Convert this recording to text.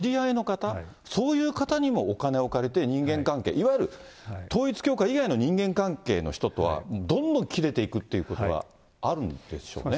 例えば家族はもちろんですけど、親戚の方、知り合いの方、そういう方にもお金を借りて、人間関係、いわゆる統一教会以外の人間関係の人とは、どんどん切れていくっていうことがあるんでしょうね。